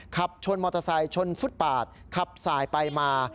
ขับชนมอเตอร์ไซค์ชนฟุตปาดขับสายไปมา